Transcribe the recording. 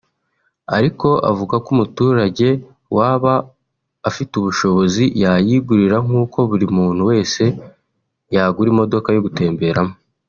ariko avuga ko umuturage waba afite ubushobozi yayigurira nk’uko buri muntu wese yagura imodoka yo gutemberamo